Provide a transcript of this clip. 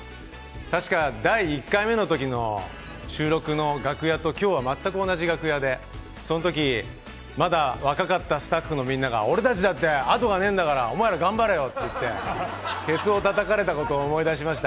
確か第１回目のときの収録の楽屋と今日は全く同じ楽屋で、そのときまだ若かったスタッフのみんなが俺たちだってあとがねえんだからお前ら、頑張れよとケツをたたかれたことを思い出しました。